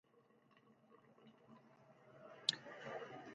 څنګه چې ما اووې مستقل سټرېس ،